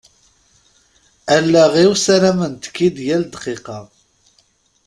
Allaɣ-iw ssarament-k-id yal ddqiqa.